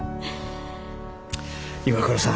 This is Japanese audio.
岩倉さん